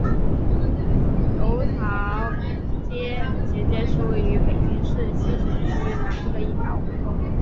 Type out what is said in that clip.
楼桃斜街是位于北京市西城区南部的一条胡同。